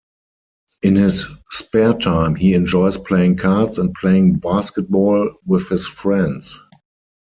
In his spare time, he enjoys playing cards and playing basketball with his friends.